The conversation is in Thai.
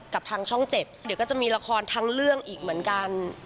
กับทางช่อง๗เดี๋ยวก็จะมีละครทั้งเรื่องอีกเหมือนกัน